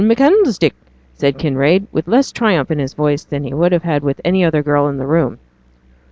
'I'm candlestick,' said Kinraid, with less of triumph in his voice than he would have had with any other girl in the room.